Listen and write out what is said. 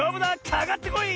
かかってこい！